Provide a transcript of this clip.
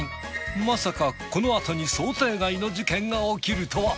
まさかこのあとに想定外の事件が起きるとは。